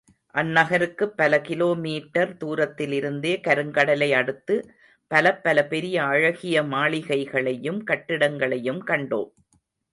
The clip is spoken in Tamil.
அந்நகருக்குப் பல கிலோமீட்டர் துரத்திலிருந்தே, கருங்கடலை அடுத்து, பலப்பல பெரிய அழகிய மாளிகைகளையும் கட்டிடங்களையும் கண்டோம்.